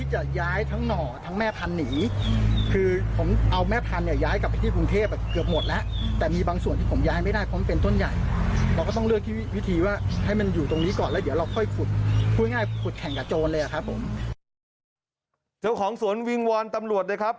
เจ้าของสวนวิงวอนตำรวจเลยครับ